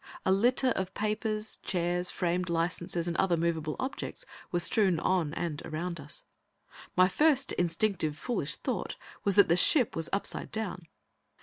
A litter of papers, chairs, framed licenses and other movable objects were strewn on and around us. My first instinctive, foolish thought was that the ship was upside down.